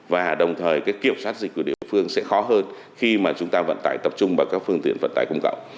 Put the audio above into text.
và đồng thời cái kiểm soát dịch của địa phương sẽ khó hơn khi mà chúng ta vận tải tập trung vào các phương tiện vận tải công cộng